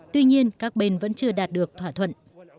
tuy nhiên các bên vẫn chưa đạt được thỏa thuận